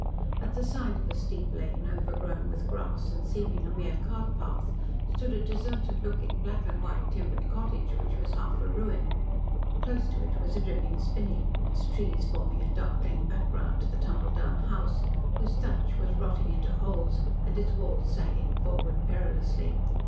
At the side of a steep lane, overgrown with grass, and seeming a mere cart path, stood a deserted looking, black and white, timbered cottage, which was half a ruin. Close to it was a dripping spinney, its trees forming a darkling background to the tumble down house, whose thatch was rotting into holes, and its walls sagging forward perilously.